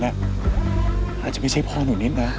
อาจจะไม่ใช่พ่อหนูนิดนะ